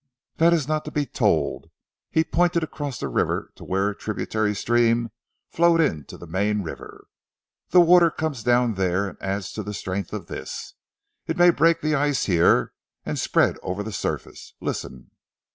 "That is not to be told." He pointed across the river to where a tributary stream flowed into the main river. "The water comes down there and adds to the strength of this. It may break the ice here, and spread over the surface. Listen."